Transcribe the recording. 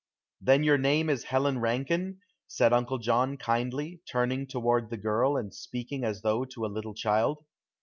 "Then your name is Helen Rankine?" said Uncle John kindly, turning toward the girl and speaking as though to a little child.